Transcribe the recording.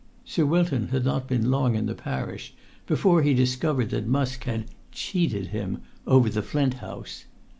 Sir Wilton had not been long in the parish before he discovered that Musk had "cheated" him over the Flint House.